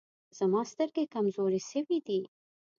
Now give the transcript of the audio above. زما سترګي کمزوري سوي دی.